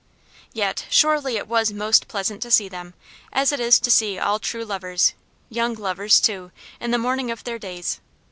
Yet, surely it was most pleasant to see them, as it is to see all true lovers young lovers, too, in the morning of their days.